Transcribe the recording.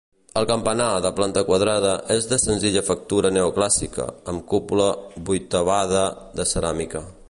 El campanar, de planta quadrada, és de senzilla factura neoclàssica, amb cúpula vuitavada de ceràmica.